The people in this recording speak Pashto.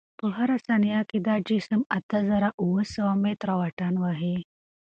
په هره ثانیه کې دا جسم اته زره اوه سوه متره واټن وهي.